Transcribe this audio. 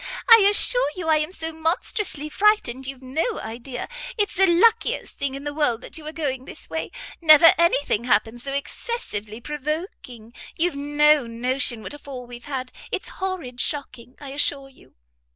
I assure you I am so monstrously frightened you've no idea. It's the luckiest thing in the world that you were going this way. Never any thing happened so excessively provoking; you've no notion what a fall we've had. It's horrid shocking, I assure you.